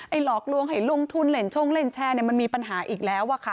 ไอโหลกลวงไหลงทุนเล่นช่งเล่นแชร์มันมีปัญหาอีกแล้วอะค่ะ